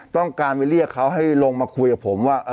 ต้องการไปเรียกเขาให้ลงมาคุยกับผมว่า